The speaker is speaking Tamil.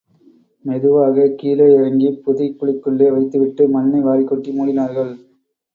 மெதுவாகக் கீழே இறங்கிப் புதைகுழிக்குள்ளே வைத்துவிட்டு, மண்ணை வாரிக் கொட்டி மூடினார்கள்.